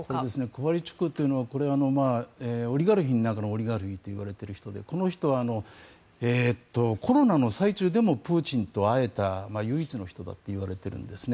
コワルチュクというのはオリガルヒの中のオリガルヒといわれている人でこの人はコロナの最中でもプーチンと会えた唯一の人だといわれているんですね。